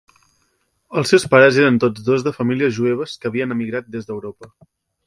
Els seus pares eren tots dos de famílies jueves que havien emigrat des d'Europa.